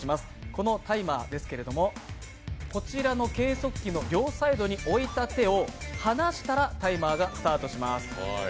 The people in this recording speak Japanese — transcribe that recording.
このタイマーですけれども、こちらの計測器の両サイドに置いた手をタイマーがスタートします。